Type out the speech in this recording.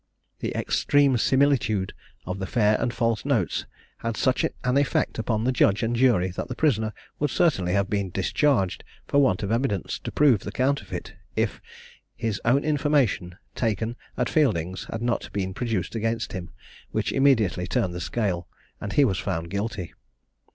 The extreme similitude of the fair and false notes had such an effect upon the judge and jury that the prisoner would certainly have been discharged, for want of evidence to prove the counterfeit, if his own information, taken at Fielding's, had not been produced against him, which immediately turned the scale, and he was found guilty.